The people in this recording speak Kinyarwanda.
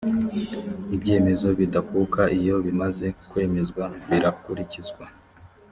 ibyemezo bidakuka iyo bimaze kwemezwa birakurikizwa